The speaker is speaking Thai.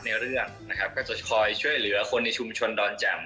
ในเรื่องนะครับก็จะคอยช่วยเหลือคนในชุมชนดอนแจ่ม